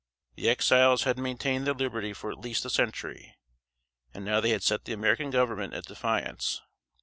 The Exiles had maintained their liberty for at least a century, and now they had set the American Government at defiance.